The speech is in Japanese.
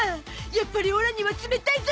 やっぱりオラには冷たいゾ